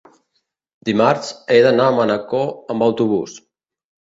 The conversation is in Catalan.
Dimarts he d'anar a Manacor amb autobús.